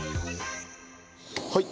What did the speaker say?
はい。